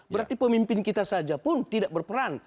berarti pemimpin kita saja pun tidak berperan